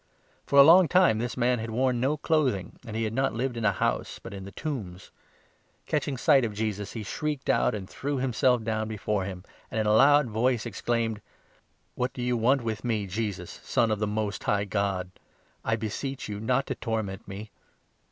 For a long time this man had worn no clothing, and he had not lived in a house, but in the tombs. Catching sight of Jesus, he shrieked out and threw himself 28 down before him, and in a loud voice exclaimed :" What do you want with me, Jesus, Son of the Most High God ? I beseech you not to torment me."